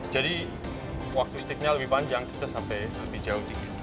jadi waktu stick nya lebih panjang kita sampai lebih jauh dikit